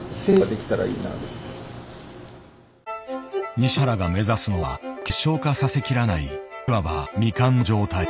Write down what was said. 西原が目指すのは結晶化させきらないいわば未完の状態。